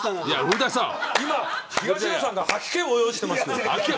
東野さんが吐き気を催してますよ。